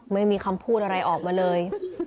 ไม่มีคำพูดอะไรออกมาเลย